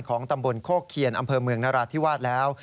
ตำบลโคกเคียนอำเภอเมืองนราธิวาสแล้ว